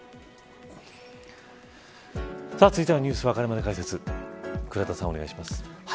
続いてはニュースわかるまで解説倉田さん、お願いします。